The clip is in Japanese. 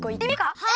はい！